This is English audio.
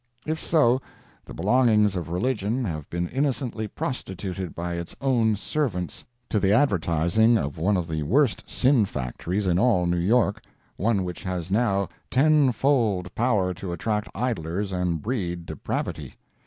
If so, the belongings of religion have been innocently prostituted by its own servants to the advertising of one of the worst sin factories in all New York—one which has now ten fold power to attract idlers and breed depravity.